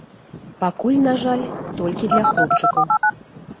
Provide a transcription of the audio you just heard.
Пакуль, на жаль, толькі для хлопчыкаў.